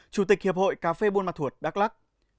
chủ tịch hiệp hội cà phê buôn ma thuột đắk lắc